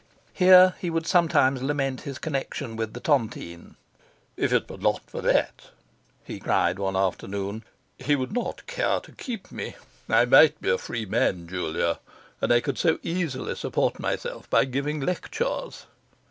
Here he would sometimes lament his connection with the tontine. 'If it were not for that,' he cried one afternoon, 'he would not care to keep me. I might be a free man, Julia. And I could so easily support myself by giving lectures.